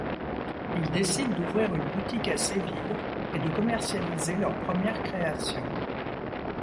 Ils décident d'ouvrir une boutique à Séville et de commercialiser leurs premières créations.